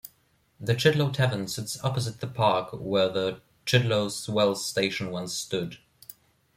The Chidlow Tavern sits opposite the park where the Chidlow's Wells Station once stood.